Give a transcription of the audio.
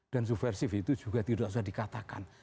dan subversif itu juga tidak usah dikatakan